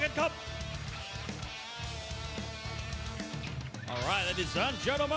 เอาล่ะเจ้าหลายท่านต้องกินสนุนโดย